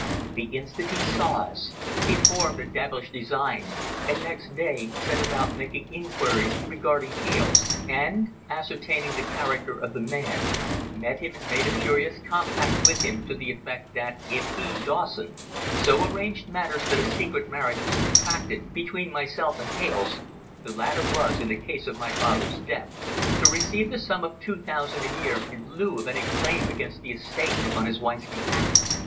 The instant he saw us he formed a devilish design, and next day, set about making inquiries regarding Hales, and, ascertaining the character of the man, met him and made a curious compact with him to the effect that if he, Dawson, so arranged matters that a secret marriage was contracted between myself and Hales, the latter was, in the case of my father's death, to receive the sum of two thousand a year in lieu of any claim against the estate on his wife's behalf.